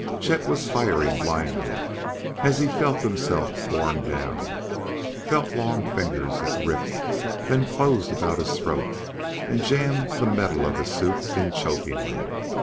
Chet was firing blindly as he felt himself borne down felt long fingers that ripped, then closed about his throat and jammed the metal of his suit in chokingly.